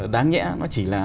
đáng nhẽ nó chỉ là